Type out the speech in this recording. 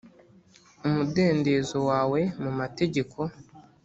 umudendezo wawe mu mategeko!